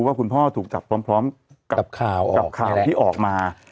ว่าคุณพ่อถูกจับพร้อมกับข่าวที่ออกมา